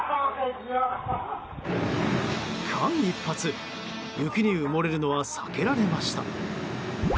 間一髪、雪に埋もれるのは避けられました。